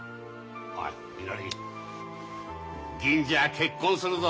おいみのり銀次は結婚するぞ。